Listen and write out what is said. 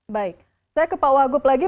baik saya ke pak wagup lagi